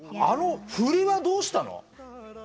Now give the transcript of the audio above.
あの振りはどうしたの？